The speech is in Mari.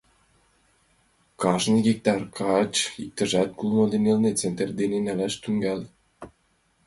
Кажне гектар гыч иктаж кумло-нылле центнер дене налаш тӱҥал.